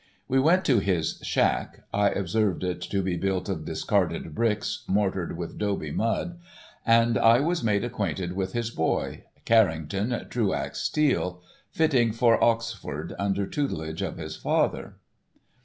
We went to his "shack" (I observed it to be built of discarded bricks, mortared with 'dobe mud) and I was made acquainted with his boy, Carrington Truax Steele, fitting for Oxford under tutelage of his father.